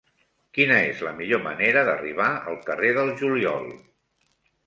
Quina és la millor manera d'arribar al carrer del Juliol?